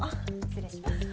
失礼します。